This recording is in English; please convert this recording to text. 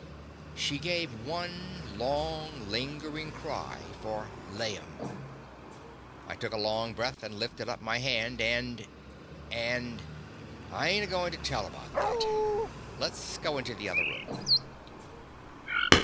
She gave one long, lingerin' cry for "laim." I took a long breath, and lifted up my hand, and — and — I ain't a goin' to tell about that. Let 's go into the other room.